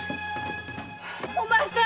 お前さん。